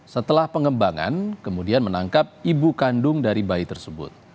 setelah pengembangan kemudian menangkap ibu kandung dari bayi tersebut